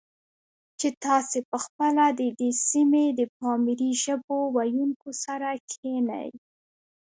چې تاسې په خپله د دې سیمې د پامیري ژبو ویونکو سره کښېنئ،